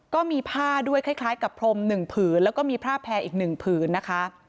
ก็มีผ้าด้วยคล้ายคล้ายกับพรมหนึ่งผืนแล้วก็มีผ้าแพร่อีกหนึ่งผืนนะคะ